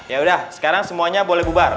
yaudah sekarang semuanya boleh bubar